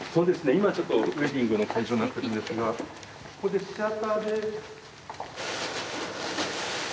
今ちょっとウエディングの会場になってるんですがここでシアターで。